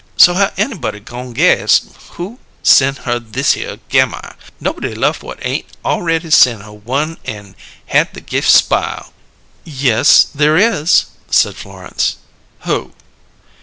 So how anybody goin' guess who sen' her thishere Gammire? Nobody lef' whut ain't awready sen' her one an' had the gift spile." "Yes, there is," said Florence. "Who?"